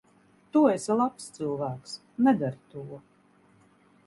Tu esi labs cilvēks. Nedari to.